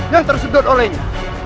yang tersedot olehnya